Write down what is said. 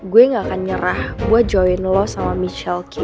gue gak akan nyerah gue join lo sama michelky